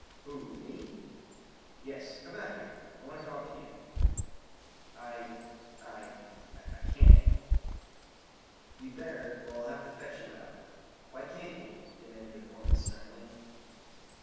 "Who, me?" "Yes, come out here. I want to talk to you." "I I I can't." "You'd better or I'll have to fetch you out. Why can't you?" demanded the foreman sternly.